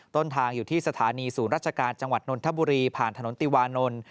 ต้นทางอยู่ที่สถานีศูนย์ราชการจังหวัดนนทบุรีผ่านถนนติวานนท์